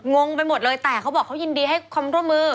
งงไปหมดเลยแต่เขาบอกเขายินดีให้ความร่วมมือ